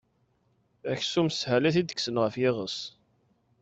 Aksum, s sshala i t-id-tekksen ɣef yiɣes.